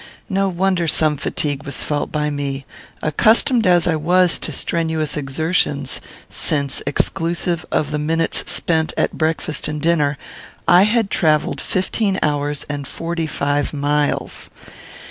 No wonder some fatigue was felt by me, accustomed as I was to strenuous exertions, since, exclusive of the minutes spent at breakfast and dinner, I had travelled fifteen hours and forty five miles.